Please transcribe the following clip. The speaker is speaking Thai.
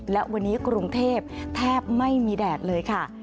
และวันนี้กรุงเทพแทบไม่มีแดดเลยค่ะ